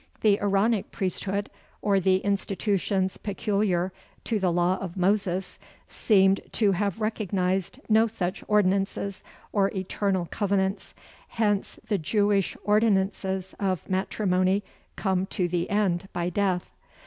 The Aaronic Priesthood, or the institutions peculiar to the law of Moses, seemed to have recognized no such ordinances or eternal covenants, hence, the Jewish ordinances of matrimony come to end by death.